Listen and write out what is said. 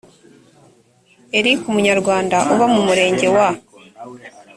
eric umunyarwanda uba mu murenge wa